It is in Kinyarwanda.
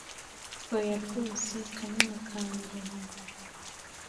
oya rwose kanyana kanjye